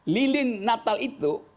lilin natal itu